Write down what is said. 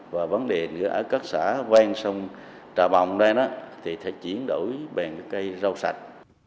và vấn đề ở các xã vang sông trà bồng đây thì phải chuyển đổi bền cây rau sạch